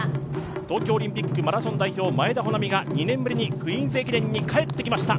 東京オリンピックマラソン代表、前田穂南が２年ぶりにクイーンズ駅伝に帰ってきました。